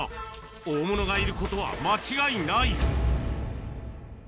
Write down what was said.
大物がいることは間違いない。